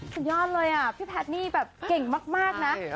สุดยอดเลยพี่แพทย์นี่แบบเก่งมากนะ